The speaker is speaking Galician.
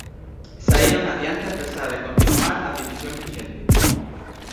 Saíron adiante a pesar de continuar a división vixente.